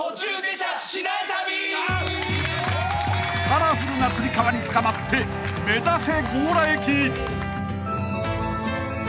［カラフルなつり革につかまって目指せ強羅駅！］